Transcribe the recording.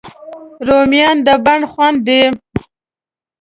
رومیان د بڼ خوند دي